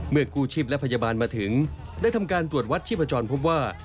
กู้ชีพและพยาบาลมาถึงได้ทำการตรวจวัดชีพจรพบว่า